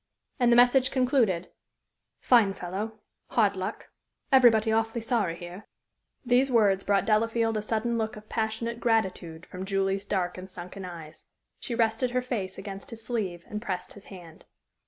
And the message concluded: "Fine fellow. Hard luck. Everybody awfully sorry here." These words brought Delafield a sudden look of passionate gratitude from Julie's dark and sunken eyes. She rested her face against his sleeve and pressed his hand.